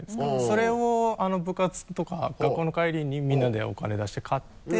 それを部活とか学校の帰りにみんなでお金出して買って。